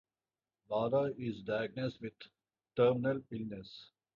Laura is diagnosed with terminal illness.